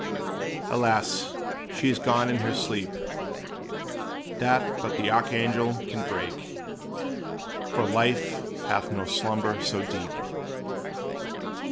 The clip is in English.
Alas! she is gone in the sleep That but the archangel can break; For life hath no slumber so deep.